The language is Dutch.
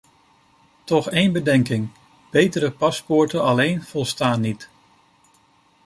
Toch één bedenking: betere paspoorten alleen volstaan niet.